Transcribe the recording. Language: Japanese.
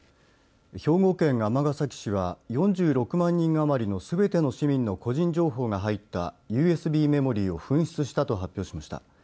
兵庫県尼崎市は、４６万人余りのすべての市民の個人情報が入ったＵＳＢメモリーを紛失したと発表しました。